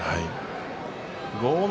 豪ノ